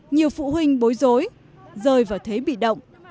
nhiều phụ huynh bối rối rơi vào thế bị động